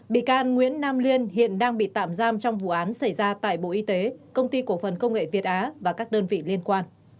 bị can nguyễn nam liên hiện đang bị tạm giam trong vụ án xảy ra tại bộ y tế công ty cổ phần công nghệ việt á và các đơn vị liên quan